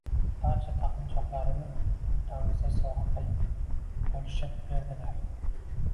Barcha taqinchoqlarini oʻrtamizda sovgʻa qilib boʻlishib berdilar.